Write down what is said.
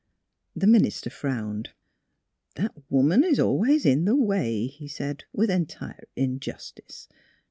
The minister frowned. That woman is always in the way," he said, with entire injustice.